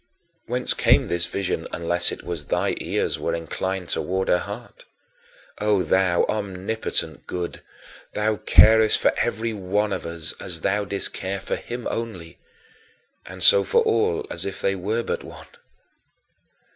Whence came this vision unless it was that thy ears were inclined toward her heart? O thou Omnipotent Good, thou carest for every one of us as if thou didst care for him only, and so for all as if they were but one!